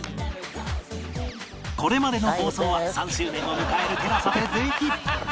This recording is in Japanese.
これまでの放送は３周年を迎える ＴＥＬＡＳＡ でぜひ